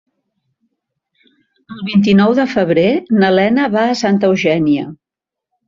El vint-i-nou de febrer na Lena va a Santa Eugènia.